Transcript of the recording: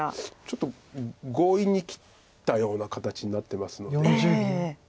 ちょっと強引に切ったような形になってますので。